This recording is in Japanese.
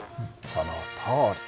そのとおり。